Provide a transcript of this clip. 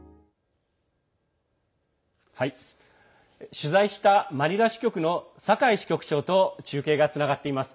取材したマニラ支局の酒井支局長と中継がつながっています。